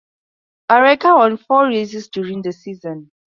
Oreca won four races during the season.